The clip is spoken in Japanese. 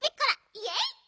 イエイ！